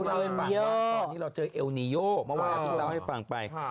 ฟังว่าตอนนี้เราเจอเอลนิโย่เมื่อวานพี่เล่าให้ฟังไป